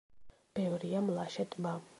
ბევრია მლაშე ტბა.